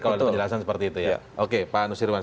kalau ada penjelasan seperti itu ya oke pak nusirwan